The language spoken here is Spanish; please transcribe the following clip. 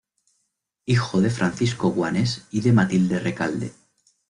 Hijo de Francisco Guanes y de Matilde Recalde.